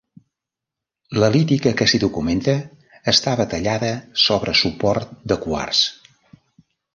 La lítica que s'hi documenta estava tallada sobre suport de quars.